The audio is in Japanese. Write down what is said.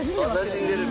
なじんでる。